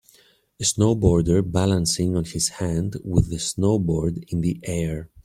a snowboarder balancing on his hand with the snowboard in the air